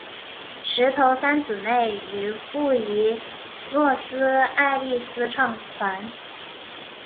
石头三姊妹于布宜诺斯艾利斯创团。